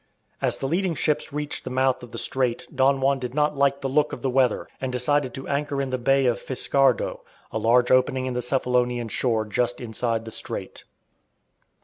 As the leading ships reached the mouth of the strait Don Juan did not like the look of the weather, and decided to anchor in the Bay of Phiscardo, a large opening in the Cephalonian shore just inside the strait.